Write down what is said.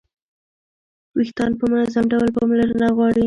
ویښتان په منظم ډول پاملرنه غواړي.